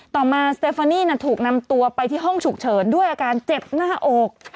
ต่อมาสเตฟานี่ถูกนำตัวไปที่ห้องฉุกเฉินด้วยอาการเจ็บหน้าอก